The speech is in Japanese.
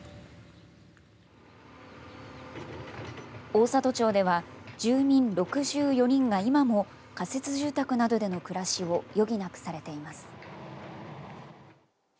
大郷町では住民６４人が今も仮設住宅などでの暮らしを余儀なくされています。